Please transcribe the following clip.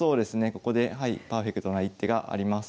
ここではいパーフェクトな一手があります。